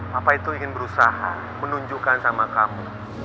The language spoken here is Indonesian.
bapak itu ingin berusaha menunjukkan sama kamu